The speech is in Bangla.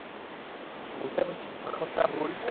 বুঝতে পারছিস এটা করা কতটা ভুল?